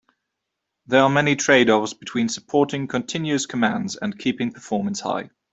There are many trade-offs between supporting continuous commands and keeping performance high.